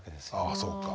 ああそうか。